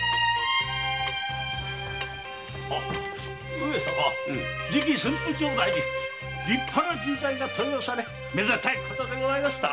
上様次期駿府城代に立派な人材が登用されめでたいことでございました。